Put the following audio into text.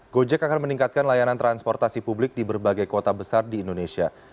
gojek akan meningkatkan layanan transportasi publik di berbagai kota besar di indonesia